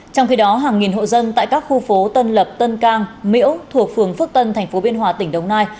trong khi đó hàng nghìn hộ dân tại các khu phố tân lập tân cang miễu thuộc phường phước tân tp biên hòa tỉnh đồng nai